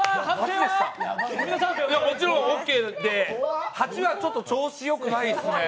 もちろんオッケーで、８はちょっと調子よくないですね。